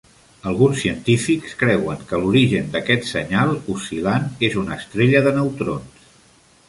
Alguns científics creuen que l'origen d'aquest senyal oscil·lant és una estrella de neutrons.